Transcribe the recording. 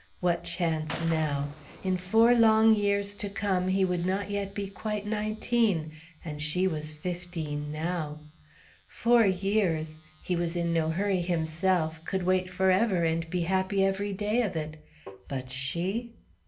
What chance now? In four long years to come he would not yet be quite nineteen, and she was fifteen now. Four years! He was in no hurry himself could wait forever and be happy every day of it; but she?